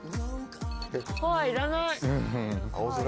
歯いらない。